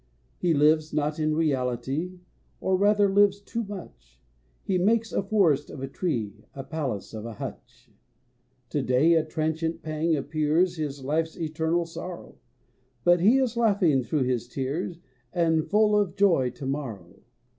He lives not in reality, Or rather, lives too much. He makes a forest of a tree, A palace of a hutch. To day a transient pang appears His life's eternal sorrow, But he is laughing through his tears And full of joy to morrow.